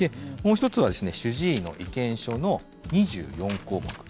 もう１つはですね、主治医の意見書の２４項目。